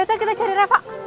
yaudah ayo kita cari reva